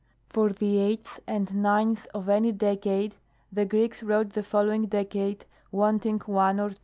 For the eighth and ninth of any decade, the Greeks wrote the following decade wanting 1 or 2.